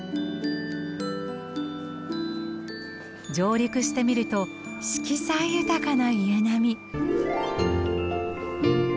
上陸してみると色彩豊かな家並み。